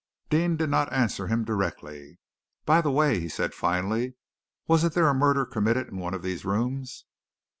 Deane did not answer him directly. "By the way," he said finally, "wasn't there a murder committed in one of these rooms?"